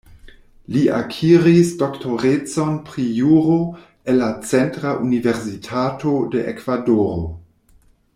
Li akiris doktorecon pri Juro el la Centra Universitato de Ekvadoro.